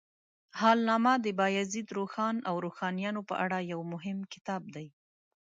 حالنامه د بایزید روښان او روښانیانو په اړه یو مهم کتاب دی.